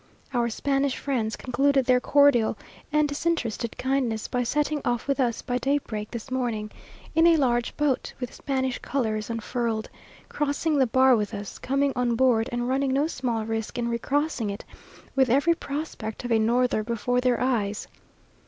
Our Spanish friends concluded their cordial and disinterested kindness, by setting off with us by daybreak this morning, in a large boat with Spanish colours unfurled, crossing the bar with us, coming on board, and running no small risk in recrossing it, with every prospect of a norther before their eyes.